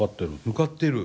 向かってる。